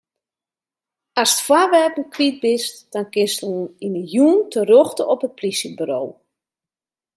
Ast foarwerpen kwyt bist, dan kinst oant yn 'e jûn terjochte op it plysjeburo.